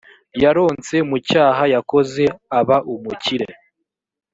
yaronse mu cyaha yakoze aba umukire